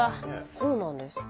そうなんです。